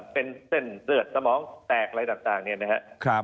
เป็นเส้นเลือดสมองแตกอะไรต่างเนี่ยนะครับ